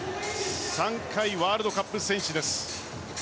３回ワールドカップ戦士です。